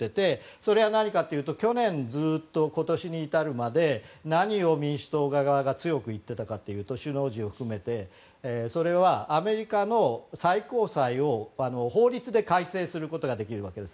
それが何かというと去年ずっと今年に至るまで何を民主党側が強く言っていたかというと首脳陣を含めそれはアメリカの最高裁を法律で改正することができるわけです。